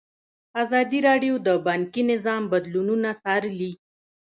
ازادي راډیو د بانکي نظام بدلونونه څارلي.